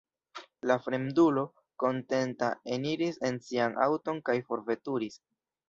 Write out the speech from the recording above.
La fremdulo, kontenta, eniris en sian aŭton kaj forveturis.